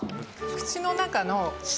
口の中の舌。